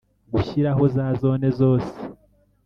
Gushyiraho za zone zose